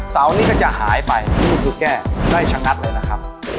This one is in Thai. เสานี้ก็จะหายไปนี่คือแก้ได้ชะงัดเลยนะครับ